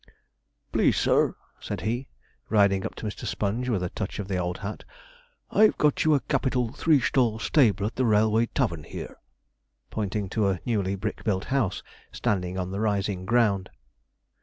'Please, sir,' said he, riding up to Mr. Sponge, with a touch of the old hat, 'I've got you a capital three stall stable at the Railway Tavern, here,' pointing to a newly built brick house standing on the rising ground.